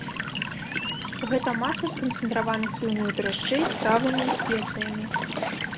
Гэта маса з канцэнтраваных піўных дражджэй з травамі і спецыямі.